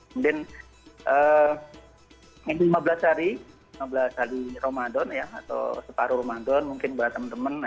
mungkin lima belas hari lima belas hari ramadan ya atau separuh ramadan mungkin buat teman teman